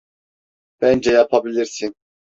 Bence yapabilirsin.